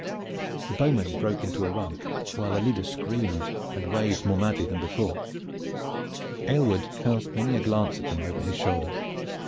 The bowmen broke into a run, while their leader screamed and waved more madly than before. Aylward cast many a glance at them over his shoulder.